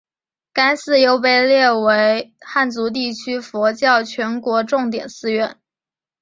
该寺又被列为汉族地区佛教全国重点寺院。